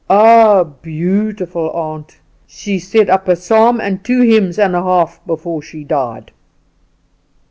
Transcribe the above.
"Oh, beautiful, aunt: she said up a psalm and two hymns and a half before she died."